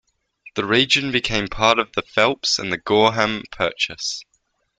The region became part of the Phelps and Gorham Purchase.